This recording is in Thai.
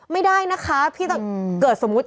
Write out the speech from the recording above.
ไม่ได้นะคะพี่จะเกิดสมมุติ